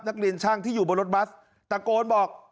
นักเรียนช่างที่อยู่บนรถบัสตะโกนบอก